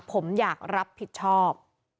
ผมอยากรับผิดชอบ